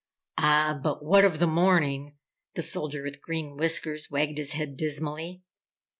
"Ah but what of the morning?" The Soldier with Green Whiskers wagged his head, dismally.